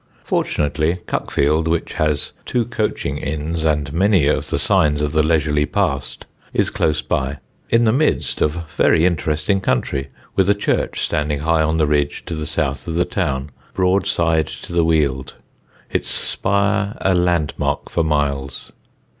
Fortunately Cuckfield, which has two coaching inns and many of the signs of the leisurely past, is close by, in the midst of very interesting country, with a church standing high on the ridge to the south of the town, broadside to the Weald, its spire a landmark for miles.